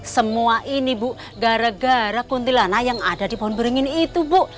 semua ini bu gara gara kuntilanah yang ada di formeringin itu bu